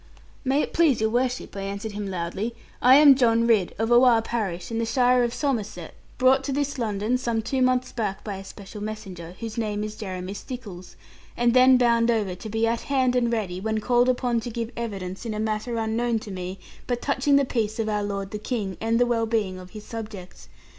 'May it please your worship,' I answered him loudly, 'I am John Ridd, of Oare parish, in the shire of Somerset, brought to this London, some two months back by a special messenger, whose name is Jeremy Stickles; and then bound over to be at hand and ready, when called upon to give evidence, in a matter unknown to me, but touching the peace of our lord the King, and the well being of his subjects.